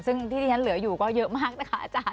ซึ่งที่ที่ฉันเหลืออยู่ก็เยอะมาก